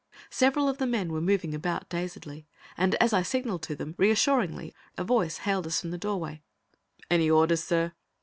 Several of the men were moving about, dazedly, and as I signalled to them, reassuringly, a voice hailed us from the doorway: "Any orders, sir?"